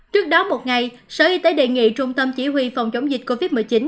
trước đó một ngày sở y tế đề nghị trung tâm chỉ huy phòng chống dịch covid một mươi chín